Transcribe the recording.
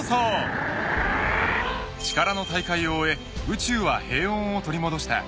［力の大会を終え宇宙は平穏を取り戻した］